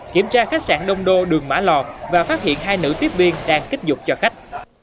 kiểm tra khách sạn đông đô đường mã lò và phát hiện hai nữ tiếp viên đang kích dục cho khách